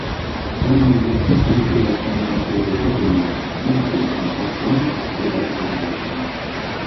Tõenäoliselt on paljudele lapsevanematele tuttav tunne, et midagi, mis laps loonud, ei raatsi ära visata.